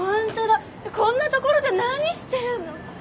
こんな所で何してるの？